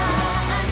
gak usah nanya